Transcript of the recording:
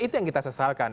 itu yang kita sesalkan